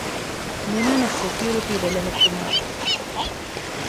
މިނޫނަސް ސެކިއުރިޓީ ބެލެހެއްޓުމާއި